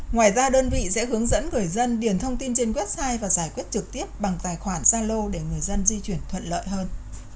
ngoài ra đơn vị sẽ hướng dẫn người dân điền thông tin trên website và giải quyết trực tiếp bằng tài khoản gia lô để người dân di chuyển thuận lợi hơn